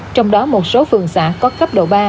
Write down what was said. trong đó một số phường xã có cấp độ ba